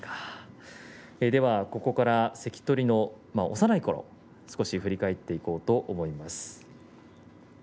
ではここから関取の幼いころ少し振り返っていこうと思います。